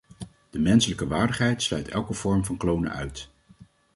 De menselijke waardigheid sluit elke vorm van klonen uit.